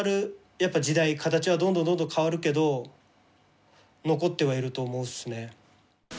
やっぱ時代形はどんどんどんどん変わるけど残ってはいると思うっすね。